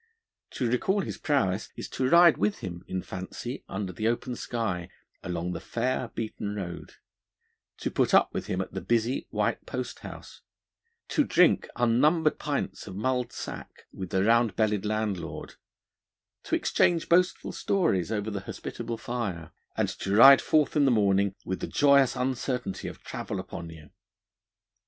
To recall his prowess is to ride with him (in fancy) under the open sky along the fair, beaten road; to put up with him at the busy, white posthouse, to drink unnumbered pints of mulled sack with the round bellied landlord, to exchange boastful stories over the hospitable fire, and to ride forth in the morning with the joyous uncertainty of travel upon you.